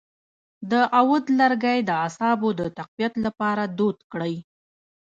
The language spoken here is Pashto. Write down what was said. د عود لرګی د اعصابو د تقویت لپاره دود کړئ